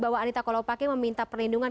bahwa anita kolopake meminta perlindungan